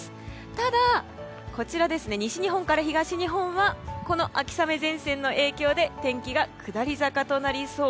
ただ、西日本から東日本は秋雨前線の影響で天気が下り坂となりそう。